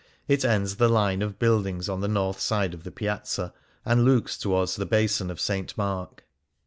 It ends the line of buildings on the north side of the Piazza, and looks towards the Basin of St. Mark.